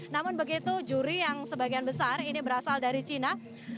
namun begitu juri yang sebagian besar ini berasal dari cina